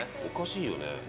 おかしいよね。